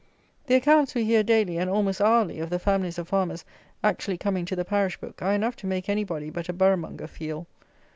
The accounts we hear, daily, and almost hourly, of the families of farmers actually coming to the parish book, are enough to make any body but a Boroughmonger feel.